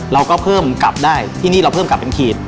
เราก็เพิ่มกลับได้ที่นี่เราเพิ่มกลับเป็นขีด